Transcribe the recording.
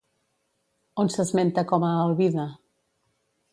On s'esmenta com a Alvida?